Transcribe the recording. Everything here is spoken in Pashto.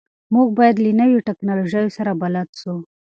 موږ باید له نویو ټکنالوژیو سره بلد سو.